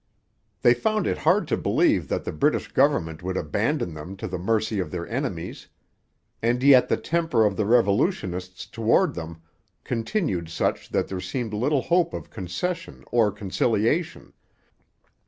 They found it hard to believe that the British government would abandon them to the mercy of their enemies; and yet the temper of the revolutionists toward them continued such that there seemed little hope of concession or conciliation.